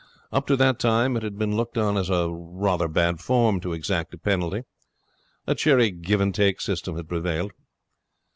Up to that time it had been looked on as rather bad form to exact a penalty. A cheery give and take system had prevailed.